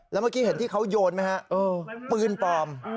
แล้วเมื่อกี้เห็นที่เขาโยนไหมฮะปืนปลอม